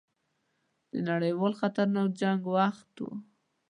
د نړیوال خطرناک جنګ وخت وو.